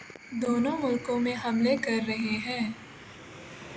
دونوں ملکوں میں حملے کررہے ہیں